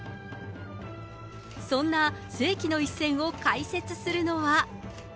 そんな世紀の一戦を解説するのは。